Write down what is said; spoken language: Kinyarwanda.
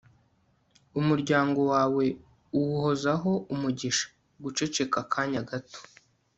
umuryango wawe uwuhozaho umugisha! (guceceka akanya gato